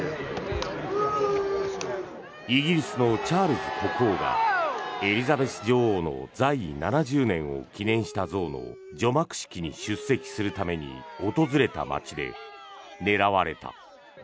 イギリスのチャールズ国王がエリザベス女王の在位７０年を記念した像の除幕式に出席するために訪れた街で狙われた。